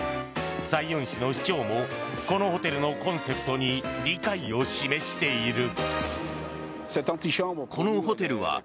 サイヨン市の市長もこのホテルのコンセプトに理解を示している。